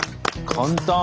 簡単。